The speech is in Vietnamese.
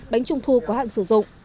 bánh trung thu có hạn dịch